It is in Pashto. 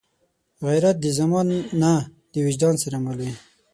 غیرت د زمان نه، د وجدان سره مل دی